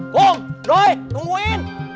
kum doi tungguin